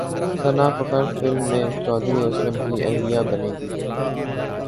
ثنا Fakhr film میں چوہدری اسلم کی اہلیہ بنیں گی